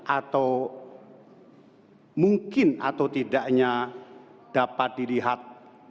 atau mungkin atau tidaknya dapat dilihat